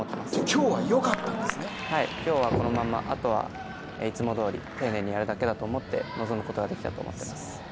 今日はよかったんで、あとはいつもどおり丁寧にやるだけだと思って臨むことができたと思います。